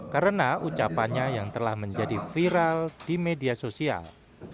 karena ucapannya yang telah menjadi viral di media sosial